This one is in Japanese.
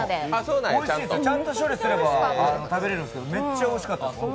おいしいですよ、ちゃんと処理すれば食べれるんですけど、めっちゃおいしかったです。